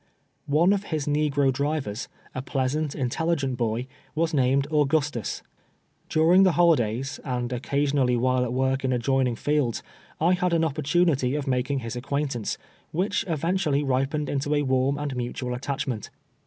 One of his negro drivers, a pleasant, intelligent boy, was named Augustus. Daring the holidays, and occasionally while at work in adjoining fields, I had an opportunity of making his acquaintance, which eventually ripened into a warm and mutual attach ment.